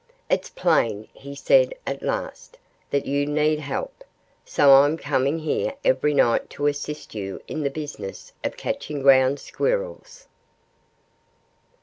"It's plain," he said at last, "that you need help. So I'm coming here every night to assist you in the business of catching Ground Squirrels."